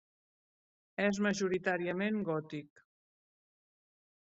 És majoritàriament gòtic.